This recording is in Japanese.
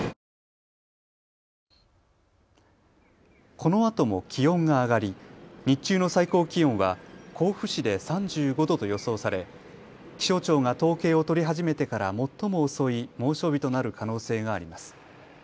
このあとも気温が上がり日中の最高気温は甲府市で３５度と予想され気象庁が統計を取り始めてから最も遅い猛暑日となる可能性があります。